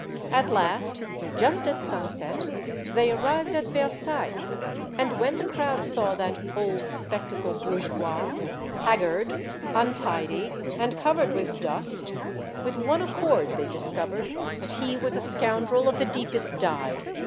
At last, just at sunset, they arrived at Versailles, and when the crowd saw that old, spectacled bour geois, haggard, untidy, and covered with dust, with one accord they discovered that he was a scoun drel of the deepest dye.